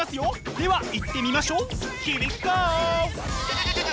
ではいってみましょうヒアウィゴー！